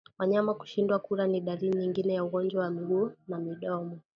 Wanyama kushindwa kula ni dalili nyingine ya ugonjwa wa miguu na midomo